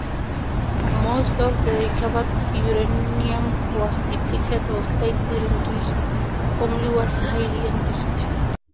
Most of the recovered uranium was depleted or slightly enriched; only was highly enriched.